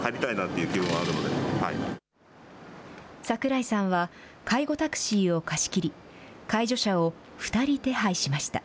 櫻井さんは、介護タクシーを貸し切り、介助者を２人手配しました。